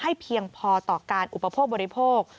เพียงพอต่อการอุปโภคบริโภค